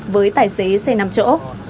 với tài xế xe nằm chỗ